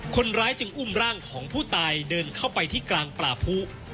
คนร้ายจึงอุ้มร่างของผู้ตายเดินเข้าไปที่กลางป่าผู้